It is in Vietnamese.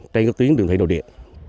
trên các tuyến đường thủy nội địa